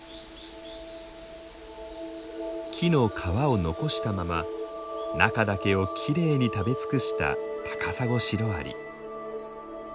木の皮を残したまま中だけをきれいに食べ尽くしたタカサゴシロアリ。